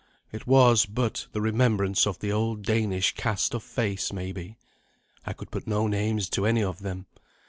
It was but the remembrance of the old Danish cast of face, maybe. I could put no names to any of them.